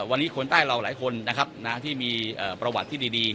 วันนี้คนใต้เราหลายคนนะครับที่มีประวัติที่ดี